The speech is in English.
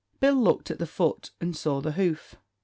Bill looked at the foot and saw the hoof.